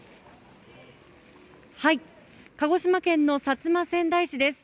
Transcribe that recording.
鹿児島県の薩摩川内市です。